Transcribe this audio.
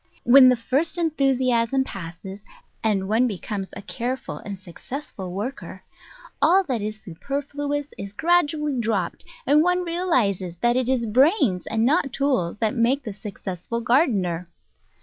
When the first en thusiasm passes, and one becomes a careful and successful worker, all that is superfluous is gradually dropped, and one realises that it is brains and not tools that make the successful gardener.